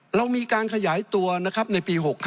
เรามีการขยายตัวนะครับในปี๖๕